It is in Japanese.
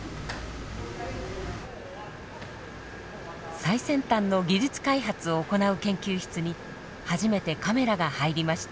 最先端の技術開発を行う研究室に初めてカメラが入りました。